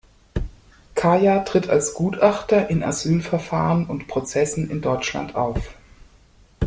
Kaya tritt als Gutachter in Asylverfahren und Prozessen in Deutschland auf.